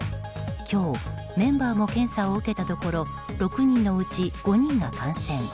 今日、メンバーも検査を受けたところ６人のうち５人が感染。